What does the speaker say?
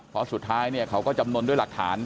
เพราะสุดท้ายเนี่ยเขาก็จำนวนด้วยหลักฐาน